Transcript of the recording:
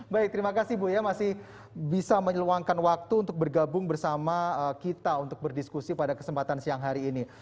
baik terima kasih bu ya masih bisa menyeluangkan waktu untuk bergabung bersama kita untuk berdiskusi pada kesempatan siang hari ini